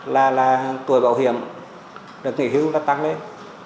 là là tuổi bảo hiểm được nghị hưu đã tăng lên